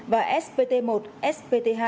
và spt một spt hai